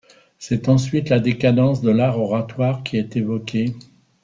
C'est ensuite la décadence de l'art oratoire qui est évoquée.